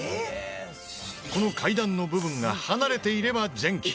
この階段の部分が離れていれば前期。